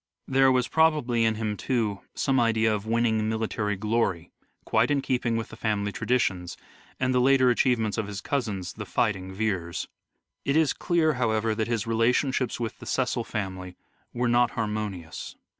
There was probably in him, too, some idea of winning military glory quite in keeping with the family traditions and the later achievements of his cousins the " Fighting Veres." It is clear, however, that his relationships with the Cecil family were not harmonious.